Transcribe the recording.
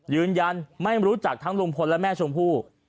ยืนยันไม่รู้จักทั้งลุงพลและแม่ชมพู่